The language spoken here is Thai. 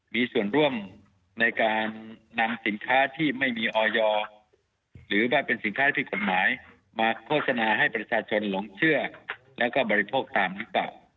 มีส่วนร่วมในการนำสินค้าที่ไม่มีออยหรือว่าเป็นสินค้าที่กฎหมายมาโฆษณาให้ประชาชนหลงเชื่อแล้วก็บริโภคตามหรือเปล่า